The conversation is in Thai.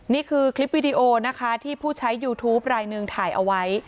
นี่คือคลิปวิดีโอนะคะที่ผู้ใช้ยูทูปรายหนึ่งถ่ายเอาไว้